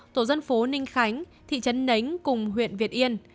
tổ dân phố ninh khánh thị trấn nánh cùng huyện việt yên